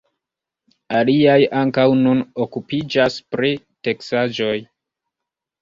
Aliaj ankaŭ nun okupiĝas pri teksaĵoj.